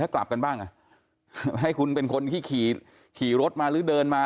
กลับกันบ้างอ่ะให้คุณเป็นคนที่ขี่รถมาหรือเดินมา